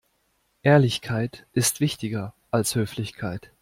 Ehrlichkeit ist wichtiger als Höflichkeit.